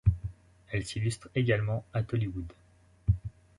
Elle s'illustre également à Tollywood.